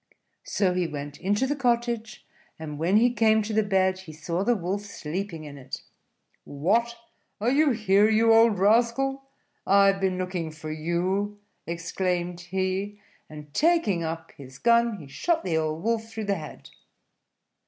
So he went into the cottage; and when he came to the bed, he saw the Wolf sleeping in it. "What! are you here, you old rascal? I have been looking for you," exclaimed he; and taking up his gun, he shot the old Wolf through the head.